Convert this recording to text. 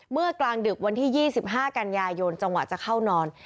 เมื่อกลางดึกวันที่๒๕กันยายนจังหวะจะเข้านอน